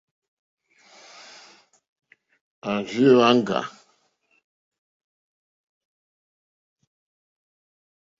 Hwá rzì hwáŋɡá.